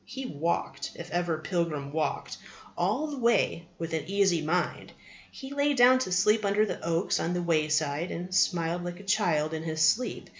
He walked, if ever pilgrim walked, all the way with an easy mind. He lay down to sleep under the oaks on the wayside, and smiled like a child in his sleep.